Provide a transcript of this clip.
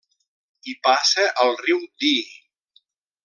Hi passa el riu Dee.